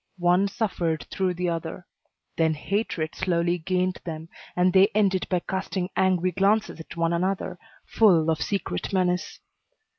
One suffered through the other. Then hatred slowly gained them, and they ended by casting angry glances at one another, full of secret menace.